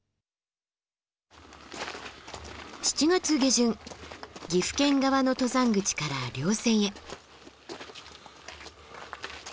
７月下旬岐阜県側の登山口から稜線へ。